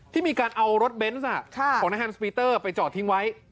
ที่มีการเอารถเบนส์ของนายฮันสปีเตอร์ไปจอดทิ้งไว้